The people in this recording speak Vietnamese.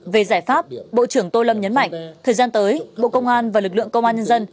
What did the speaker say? về giải pháp bộ trưởng tô lâm nhấn mạnh thời gian tới bộ công an và lực lượng công an nhân dân